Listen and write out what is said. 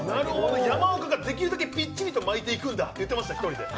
山岡ができるだけぴっちりと巻いていくんだと言ってました、１人で。